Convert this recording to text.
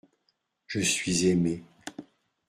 Je suis aimé.